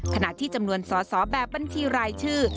ขณะที่จำนวนสอสอแบบบัญชีรายชื่อ